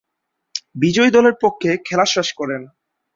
বিজয়ী দলের পক্ষে খেলা শেষ করেন।